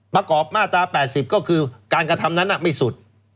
ประกอบมาตรา๘๐ก็คือการกระทำนั้นไม่สุด